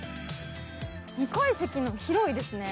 ２階席も広いですね。